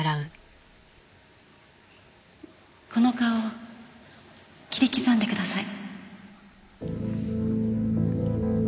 この顔を切り刻んでください。